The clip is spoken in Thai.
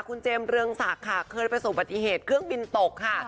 คุณเจมส์เรืองศักดิ์ค่ะเคยประสบปฏิเหตุเครื่องบินตกค่ะ